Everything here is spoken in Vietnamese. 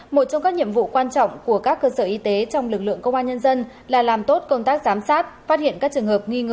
một trong các nhiệm vụ quan trọng của các cơ sở y tế trong lực lượng công an nhân dân